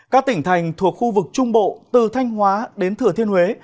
các tỉnh thành thuộc khu vực trung bộ từ thanh hóa đến thừa thiên huế